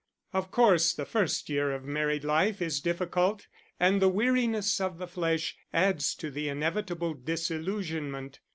Of course the first year of married life is difficult, and the weariness of the flesh adds to the inevitable disillusionment.